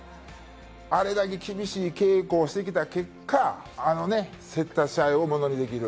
あれだけ厳しい稽古をしてきた結果、競った試合をものにできる。